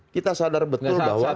kita sadar betul bahwa